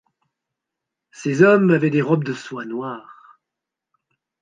Ces hommes avaient des robes de soie noire.